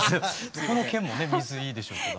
どこの県もね水いいでしょうけど。